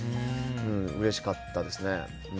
うれしかったですね。